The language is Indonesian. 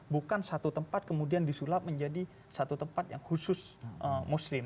bukan satu tempat kemudian disulap menjadi satu tempat yang khusus muslim